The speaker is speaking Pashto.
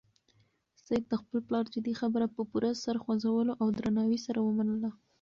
سعید د خپل پلار جدي خبره په پوره سر خوځولو او درناوي سره ومنله.